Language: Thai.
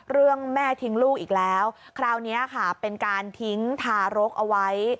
เรื่องแม่ทิ้งลูกอีกแล้วคราวนี้ค่ะเป็นการทิ้งทารกเอาไว้